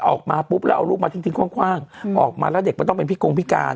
ออกมาปุ๊บแล้วเอาลูกมาทิ้งคว่างออกมาแล้วเด็กมันต้องเป็นพิกงพิการ